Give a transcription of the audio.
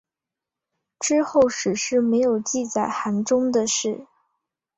之后史书没有记载韩忠的事。